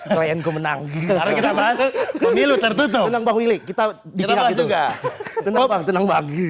klienku menang gitu harus kita bahas pemilu tertutup dengan bangwili kita dikit juga kita bahas juga